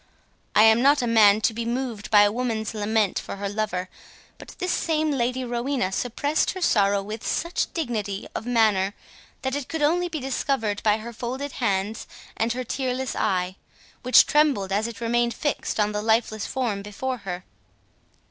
I am not a man to be moved by a woman's lament for her lover, but this same Lady Rowena suppressed her sorrow with such dignity of manner, that it could only be discovered by her folded hands, and her tearless eye, which trembled as it remained fixed on the lifeless form before her."